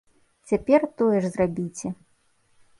Цяпер тое ж зрабіце!